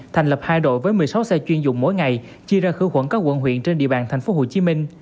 thành lập hai đội với một mươi sáu xe chuyên dụng mỗi ngày chia ra khử khuẩn các quận huyện trên địa bàn tp hcm